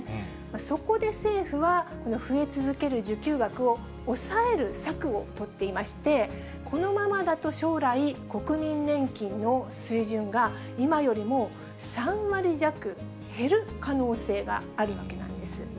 そこで政府は、この増え続ける受給額を抑える策をとっていまして、このままだと将来、国民年金の水準が今よりも３割弱減る可能性があるわけなんです。